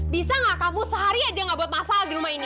bisa nggak kamu sehari aja nggak buat masal di rumah ini